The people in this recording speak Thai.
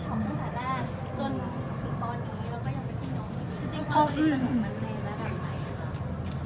จริงความสนิทสนมมันในระดับไหน